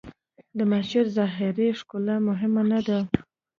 د مسجد ظاهري ښکلا مهمه نه ده.